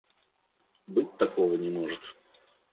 Быть такого не может!